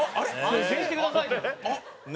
「安心してください」じゃん。